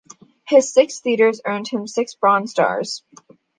His six theaters earned him six Bronze Stars.